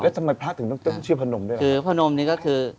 แล้วทำไมพระถึงต้องเติมชื่อพนมด้วยเหรอคือพนมนี่ก็คือ